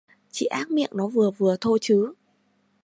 chị ác miệng nó vừa vừa thôi chứ